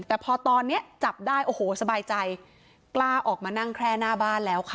แต่พอตอนนี้จับได้โอ้โหสบายใจกล้าออกมานั่งแคร่หน้าบ้านแล้วค่ะ